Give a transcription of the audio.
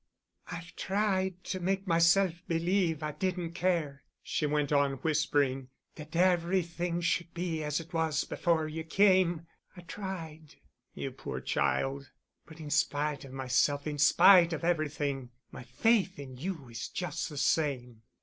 "I've tried to make myself believe I didn't care—," she went on, whispering, "that everything should be as it was before you came. I tried——" "You poor child——" "But in spite of myself—in spite of everything—my faith in you is just the same."